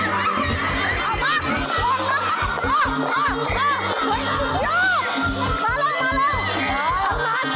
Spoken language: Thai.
โอ๊ยสุดยอด